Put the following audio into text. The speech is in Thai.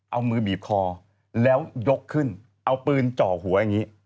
เอามือบีบคอแล้วยกขึ้นเอาปืนเจาะหัวอย่างนี้